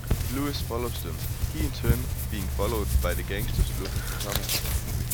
Lewis follows them, he in turn being followed by the gangsters looking for Thomas.